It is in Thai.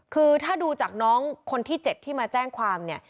คือถ้าดูจากน้องคนที่๗ที่มาแจ้งความเนี่ย